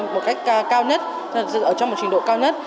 một cách cao nhất ở trong một trình độ cao nhất